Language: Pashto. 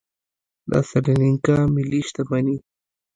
د سریلانکا ملي شتمني